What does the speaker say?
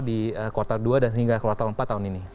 di kuartal dua dan sehingga kuartal empat tahun ini